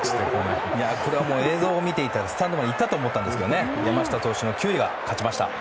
これは映像を見ていたらスタンドまで行ったと思ったんですが山下投手の球威が勝ちました。